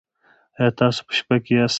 ایا تاسو په شپه کې یاست؟